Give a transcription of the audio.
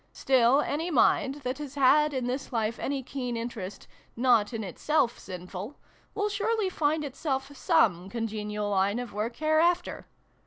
Still any mind, that has had in this life any keen interest, not in itself sinful, will surely find itself some congenial line of work hereafter.